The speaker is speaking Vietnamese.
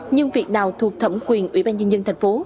nhưng việc nào thuộc thẩm quyền ủy ban nhân dân thành phố